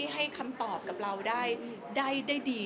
ให้คำตอบกับเราได้ดี